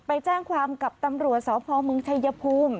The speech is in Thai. ไปแจ้งความกับตำรวจสพเมืองชายภูมิ